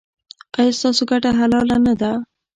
ایا ستاسو ګټه حلاله نه ده؟